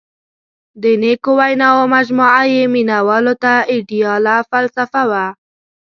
• د نیکو ویناوو مجموعه یې مینوالو ته آیډیاله فلسفه وه.